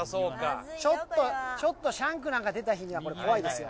ちょっとちょっとシャンクなんか出た日にはこれ怖いですよ。